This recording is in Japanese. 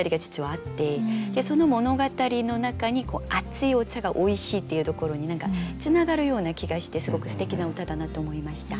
でその物語の中にこう「熱いお茶がおいしい」っていうところに何かつながるような気がしてすごくすてきな歌だなと思いました。